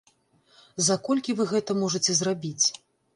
За колькі вы гэта можаце зрабіць?